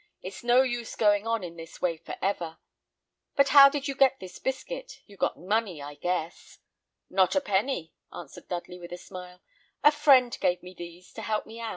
It's no use going on in this way for ever but how did you get this biscuit? You've got money, I guess." "Not a penny," answered Dudley, with a smile. "A friend gave me these things to help me on."